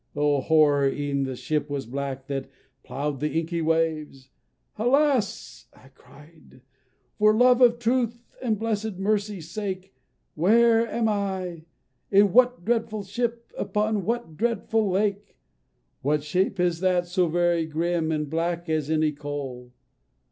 Oh, horror! e'en the ship was black that plough'd the inky waves! "Alas!" I cried, "for love of truth and blessed mercy's sake, Where am I? in what dreadful ship? upon what dreadful lake?" "What shape is that, so very grim, and black as any coal?